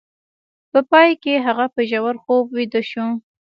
په پای کې هغه په ژور خوب ویده شو